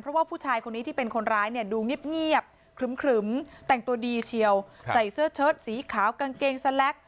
เพราะว่าผู้ชายคนนี้ที่เป็นคนร้ายเนี่ยดูเงียบครึมแต่งตัวดีเชียวใส่เสื้อเชิดสีขาวกางเกงสแล็ก